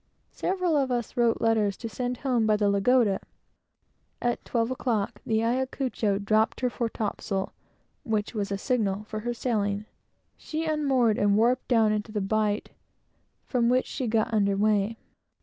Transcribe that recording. Several of us wrote letters to send home by the Lagoda. At twelve o'clock the Ayacucho dropped her fore topsail, which was a signal for her sailing. She unmoored and warped down into the bight, from which she got under way.